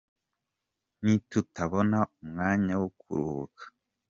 Ntitubona umwanya wo kuruhuka.